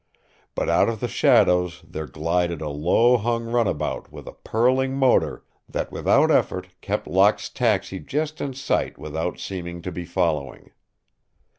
But out of the shadows there glided a low hung runabout with a purling motor that without effort kept Locke's taxi just in sight without seeming to be following.